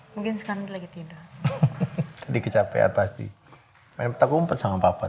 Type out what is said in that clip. mungkin sekarang lagi tidur di kecapean pasti menempatkan pesawat